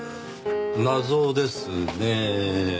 謎ですねぇ。